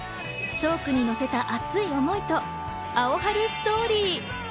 チョークにのせた熱い思いとアオハルストーリー。